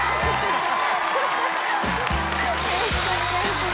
よろしくお願いします